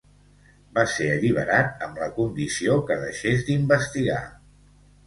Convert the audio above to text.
Va ser alliberat amb la condició que deixés d’investigar.